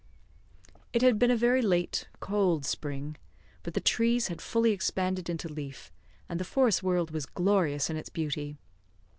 It had been a very late, cold spring, but the trees had fully expanded into leaf, and the forest world was glorious in its beauty.